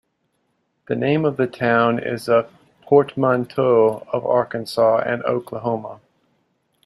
The name of the town is a portmanteau of Arkansas and Oklahoma.